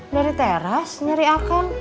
dari teras nyari akan